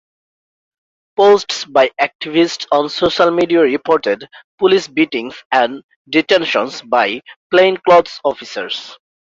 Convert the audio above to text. Posts by activists on social media reported police beatings and detentions by plainclothes officers.